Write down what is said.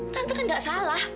tante kan gak salah